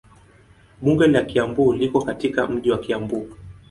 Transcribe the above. Bunge la Kiambu liko katika mji wa Kiambu.